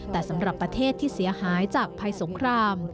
แต่สำหรับประเทศที่เสียหายจากภัยสงคราม